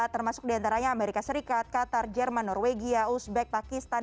termasuk diantaranya amerika serikat qatar jerman norwegia uzbek pakistan